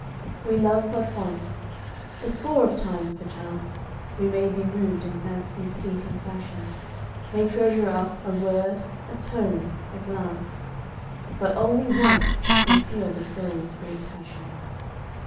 We love but once. A score of times, perchance, We may be moved in fancy's fleeting fashion May treasure up a word, a tone, a glance; But only once we feel the soul's great passion.